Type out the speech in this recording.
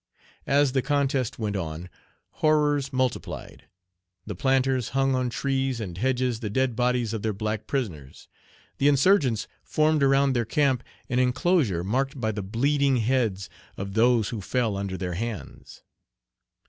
As the contest went on, horrors multiplied. The planters hung on trees and hedges the dead bodies of their black prisoners; the insurgents formed around their camp an enclosure marked by the bleeding heads of those who fell under their hands.